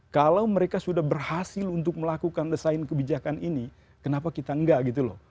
kalau mereka sudah berhasil untuk melakukan desain kebijakan ini kenapa kita enggak gitu loh